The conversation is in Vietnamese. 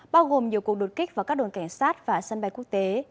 bao gồm nhiều cuộc đột kích vào các đồn cảnh sát và sân bay quốc tế